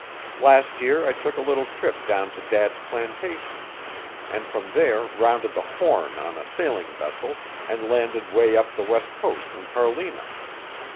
"Last year I took a little trip down to Dad's plantations, and from there rounded the Horn on a sailing vessel and landed way up the west coast in Carlina.